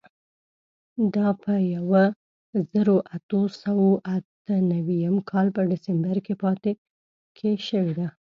دا په یوه زرو اتو سوو اته نوېم کال په ډسمبر کې شوې وه.